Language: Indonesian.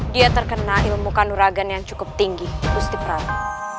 dia terkena ilmu kanuragan yang cukup tinggi gusti prabu